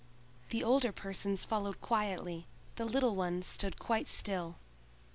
The older persons followed quietly; the little ones stood quite still.